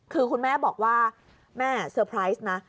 คือคุณแม่บอกว่าแม่เซอร์ไพรส์นะ